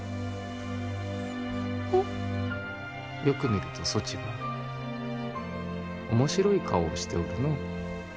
よく見るとそちは面白い顔をしておるのう。